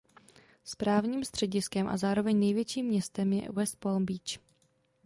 Správním střediskem a zároveň největším městem je West Palm Beach.